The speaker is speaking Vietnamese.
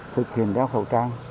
phải kiểm tra khẩu trang